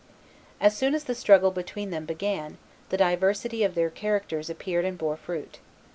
As soon as the struggle between them began, the diversity of their characters appeared and bore fruit.